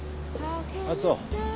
ああそう。